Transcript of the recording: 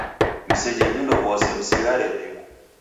Msejhe vindo vose, msighare vimu